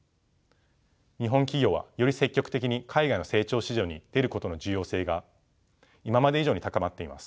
日本企業はより積極的に海外の成長市場に出ることの重要性が今まで以上に高まっています。